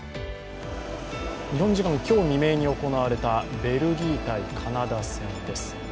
日本時間今日未明に行われたベルギー×カナダ戦です。